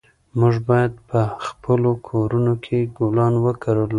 موږ باید په خپلو کورونو کې ګلان وکرلو.